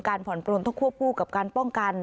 การผ่อนโปรนท่อควบคู่กับการป้องกัน